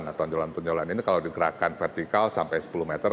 nah tonjolan tonjolan ini kalau digerakkan vertikal sampai sepuluh meter